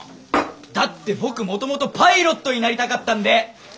だって僕もともとパイロットになりたかったんで！